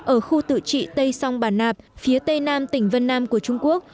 ở khu tự trị tây song bản nạp phía tây nam tỉnh vân nam của trung quốc